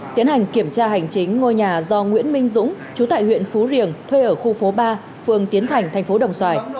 tiến hành kiểm tra hành chính ngôi nhà do nguyễn minh dũng chú tại huyện phú riềng thuê ở khu phố ba phường tiến thành thành phố đồng xoài